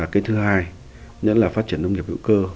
cái thứ hai nhấn là phát triển nông nghiệp hữu cơ